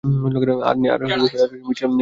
আর মিশেলের মতো বোন।